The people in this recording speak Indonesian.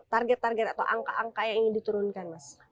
target target atau angka angka yang ingin diturunkan mas